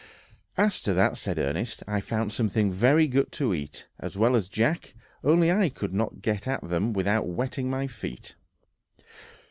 "As to that," said Ernest, "I found something very good to eat, as well as Jack, only I could not get at them without wetting my feet."